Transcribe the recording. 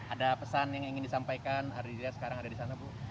ada pesan yang ingin disampaikan ardiza sekarang ada di sana bu